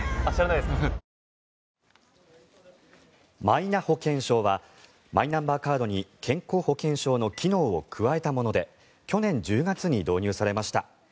マイナ保険証はマイナンバーカードに健康保険証の機能を加えたもので去年１０月に導入されました。